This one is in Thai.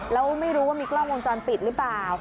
แล้วไม่รู้ว่ามีกล้องวงจรปิดหรือเปล่า